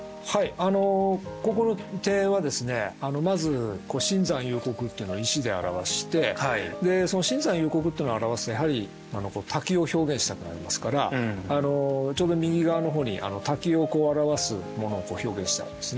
ここの庭園はですねまず深山幽谷っていうのを石で表してでその深山幽谷っていうのを表すにはやはり滝を表現したくなりますからちょうど右側の方に滝を表すものを表現してありますね。